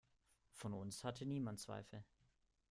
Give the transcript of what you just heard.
Von uns hatte niemand Zweifel.